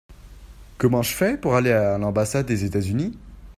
Comment je fais pour aller à l'ambassade des États-Unis ?